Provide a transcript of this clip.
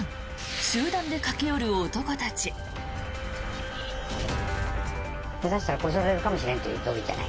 集団で駆け寄る男たち。